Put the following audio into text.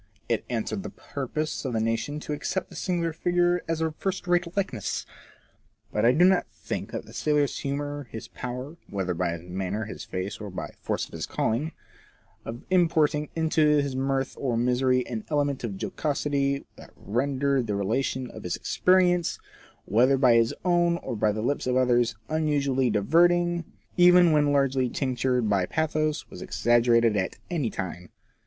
It answered the 96 FORECASTLE TRAITS. purpose of the nation to accept the singular figure as a first rate likeness. But I do not think that the sailor's humour, his power — whether hy his manner, his face, or by the force of his calling — of importing into his mirth or misery an element of jocosity that rendered the relation of his experience, whether by his own or by the lips of others, unusually diverting, even when largely tinctured by pathos, was exaggerated at any time.